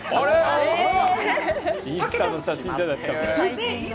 インスタの写真じゃないですか。